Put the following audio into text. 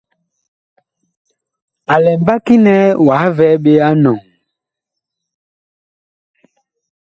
A lɛ mbaki nɛ wah vɛɛ ɓe a enɔŋ ?